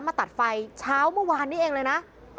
มาตัดไฟเช้าเมื่อวานนี้เองเลยนะ